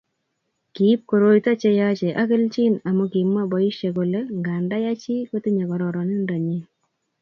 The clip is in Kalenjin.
Kiib koroito cheyache ak kelchin amu kimwa boisiek kole nganda ya chi kotinyei kororonindonyi